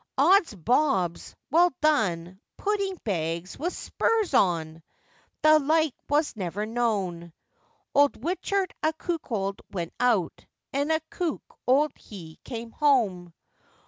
'Ods bobs! well done! pudding bags with spurs on! The like was never known!' Old Wichet a cuckold went out, and a cuckold he came home!